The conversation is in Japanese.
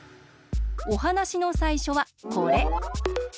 おはなしのさいしょはこれ。